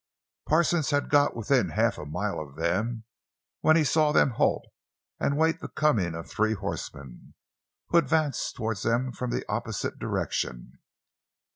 Parsons had got within half a mile of them when he saw them halt and wait the coming of three horsemen, who advanced toward them from the opposite direction.